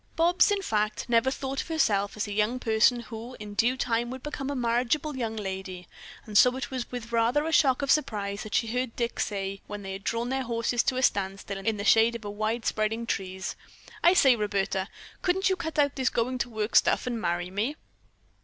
Bobs, in fact, never thought of herself as a young person who in due time would become a marriageable young lady, and so it was with rather a shock of surprise that she heard Dick say, when they had drawn their horses to a standstill in the shade of the wide spreading trees: "I say, Roberta, couldn't you cut out this going to work stuff and marry me?"